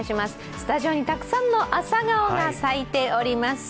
スタジオにたくさんの朝顔が咲いております。